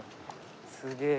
すげえ。